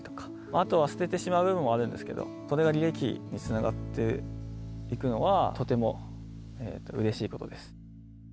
あとは捨ててしまうのもあるんですけど、それが利益につながっていくのは、とてもうれしいことです。